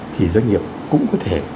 thì doanh nghiệp cũng có thể